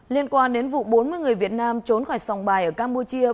liên quan đến vụ bốn mươi người việt nam trốn khỏi sòng bài ở campuchia